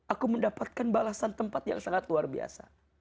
aku mendapatkan balasan tempat yang sangat luar biasa